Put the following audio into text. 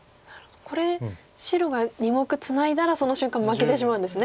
これ白が２目ツナいだらその瞬間負けてしまうんですね